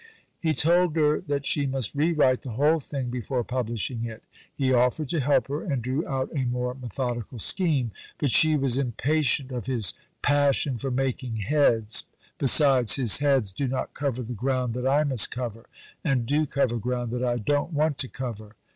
He told her that she must rewrite the whole thing before publishing it. He offered to help her, and drew out a more methodical scheme; but she was impatient of his "passion for making heads"; besides, his heads "do not cover the ground that I must cover, and do cover ground that I don't want to cover."